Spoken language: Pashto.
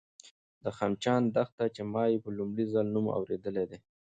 د خمچان دښته، چې ما یې په لومړي ځل نوم اورېدی دی